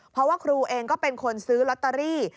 เพราะว่าครูเองก็เป็นคนซื้อลอตเตอรี่